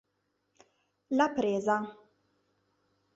La Presa